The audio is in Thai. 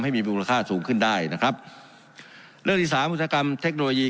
ให้มีมูลค่าสูงขึ้นได้นะครับเรื่องที่สามอุตสาหกรรมเทคโนโลยี